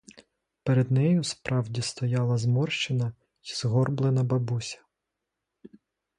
Перед нею справді стояла зморщена й згорблена бабуся.